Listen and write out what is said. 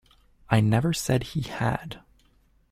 I never said he had.